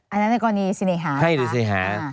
อันนั้นก็เรียกเสนียหา